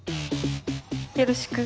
よろしく。